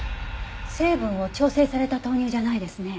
成分を調整された豆乳じゃないですね。